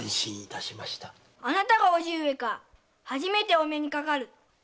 あなたが叔父上か初めてお目にかかる。